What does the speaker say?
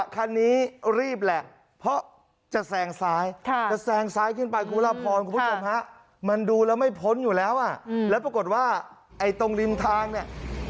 คุณผู้ชมฮะมันดูแล้วไม่พ้นอยู่แล้วอ่ะและปรากฏว่าไอตรงริมทางเนี่ย